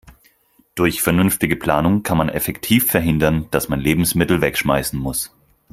Durch vernünftige Planung kann man effektiv verhindern, dass man Lebensmittel wegschmeißen muss.